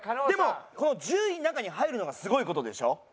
でもこの１０位の中に入るのがすごい事でしょ？